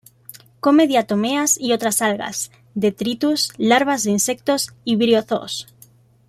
Come diatomeas y otras algas, detritus, larvas de insectos y briozoos.